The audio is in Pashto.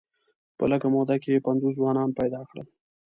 په لږه موده کې یې پنځوس ځوانان پیدا کړل.